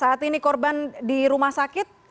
saat ini korban di rumah sakit